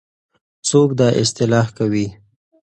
څوک دا اصلاح کوي؟